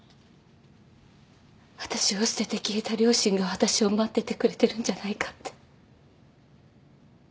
私を捨てて消えた両親が私を待っててくれてるんじゃないかって。